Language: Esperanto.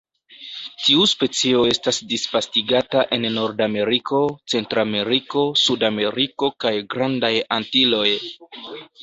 Tiu specio estas disvastigata en Nordameriko, Centrameriko, Sudameriko kaj Grandaj Antiloj.